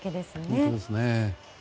本当ですね。